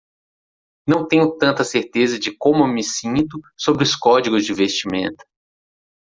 Não tenho tanta certeza de como me sinto sobre os códigos de vestimenta.